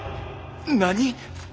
何？